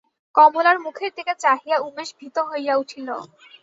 কমলার মুখের দিকে চাহিয়া উমেশ ভীত হইয়া উঠিল।